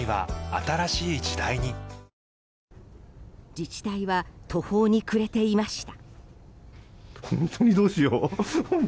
自治体は途方に暮れていました。